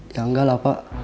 ya enggak lah pak